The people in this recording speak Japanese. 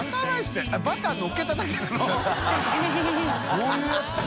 そういうやつ？